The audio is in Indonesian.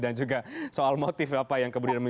dan juga soal motif apa yang mendorong ya